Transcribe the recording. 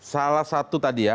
salah satu tadi ya